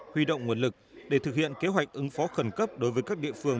huy động nguồn lực để thực hiện kế hoạch ứng phó khẩn cấp đối với các địa phương